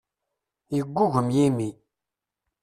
Yeggugem yimi.